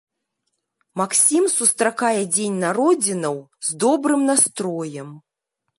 Максім сустракае дзень народзінаў з добрым настроем.